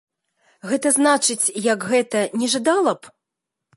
Гэта значыць, як гэта, не жадала б?